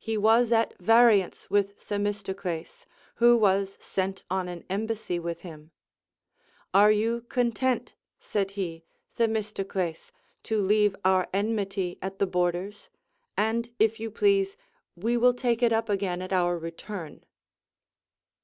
He was at variance with Themistocles, who was sent on an embassy Avith him. Are you content, said he, Themistocles, to leave our enmity at the borders ? and if you please, we will take it up again at our return.